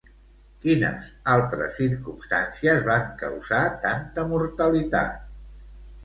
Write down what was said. Quines altres circumstàncies van causar tanta mortalitat?